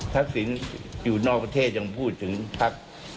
ทักษิณอยู่นอกประเทศยังพูดถึงพัก